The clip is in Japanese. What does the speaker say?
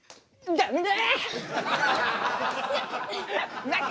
ダメだ。